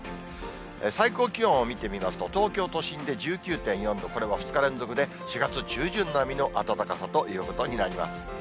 最高気温を見てみますと、東京都心で１９．４度、これは２日連続で４月中旬並みの暖かさということになります。